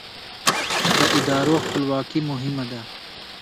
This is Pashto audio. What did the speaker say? د ادارو خپلواکي مهمه ده